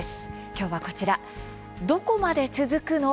今日は、こちら「どこまで続くの？